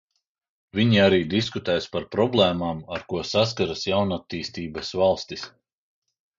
Viņi arī diskutēs par problēmām, ar ko saskaras jaunattīstības valstis.